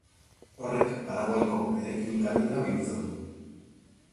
Horrek Paraguaiko eraikinik garaiena bihurtzen du.